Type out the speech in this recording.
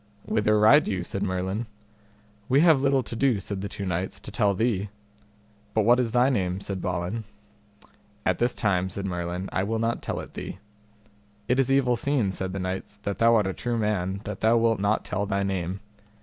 Whither ride you? said Merlin. We have little to do, said the two knights, to tell thee. But what is thy name? said Balin. At this time, said Merlin, I will not tell it thee. It is evil seen, said the knights, that thou art a true man that thou wilt not tell thy name.